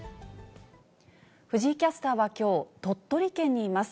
藤井キャスターはきょう、鳥取県にいます。